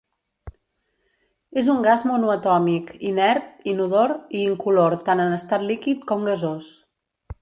És un gas monoatòmic inert, inodor i incolor tant en estat líquid com gasós.